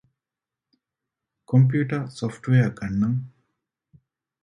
ކޮމްޕިއުޓަރ ސޮފްޓްވެއަރ ގަންނަން